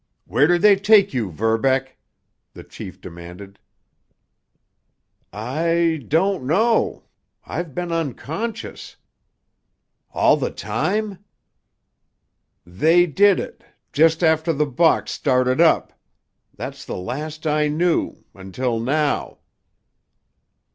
"Where did they take you, Verbeck?" the chief demanded. "I—don't know. I've been unconscious——" "All the time?" "They did it—just after the box started up. That's the last I knew—until now."